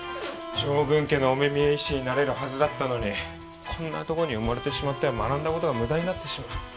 将軍家のお目見え医師になれるはずだったのにこんなとこに埋もれてしまっては学んだことが無駄になってしまう。